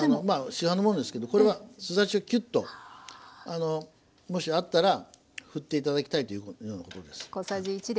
市販のものですけどこれはすだちをきゅっともしあったら振っていただきたいというようなところです。